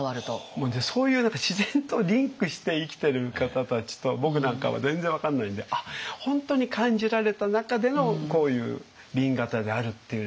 もうねそういう自然とリンクして生きてる方たちと僕なんかは全然分かんないんで本当に感じられた中でのこういう紅型であるっていう。